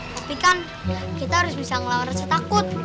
tapi kan kita harus bisa ngelawan rasa takut